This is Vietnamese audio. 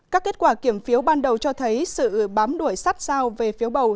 các kết quả kiểm phiếu ban đầu cho thấy sự bám đuổi sát sao về phiếu bầu